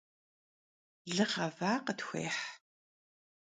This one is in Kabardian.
Lığeva khıtxueh!